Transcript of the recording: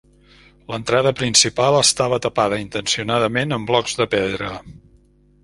L'entrada principal estava tapada intencionadament amb blocs de pedra.